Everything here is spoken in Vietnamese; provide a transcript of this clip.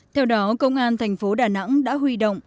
theo đó công an thành phố đà nẵng đã huy động